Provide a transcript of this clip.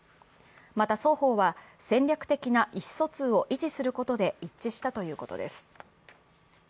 また、双方は戦略的な意思疎通を維持することで一致したということです。